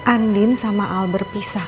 andin sama al berpisah